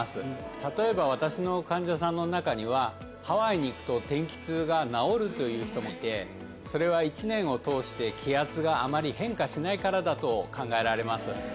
例えば、私の患者さんの中には、ハワイに行くと天気痛が治るという人もいて、それは一年を通して気圧があまり変化しないからだと考えられます。